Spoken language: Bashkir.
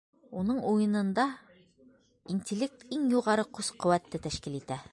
Уның уйынында интеллект иң юғары көс-ҡеүәтте тәшкил итә.